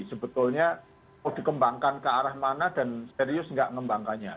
sebetulnya mau dikembangkan ke arah mana dan serius nggak ngembangkannya